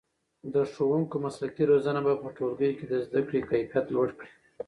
د ښوونکو مسلکي روزنه به په ټولګیو کې د زده کړې کیفیت لوړ کړي.